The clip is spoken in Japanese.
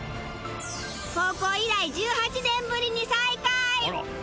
高校以来１８年ぶりに再会。